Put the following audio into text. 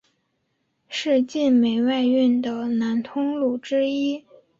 是晋煤外运的南通路之一。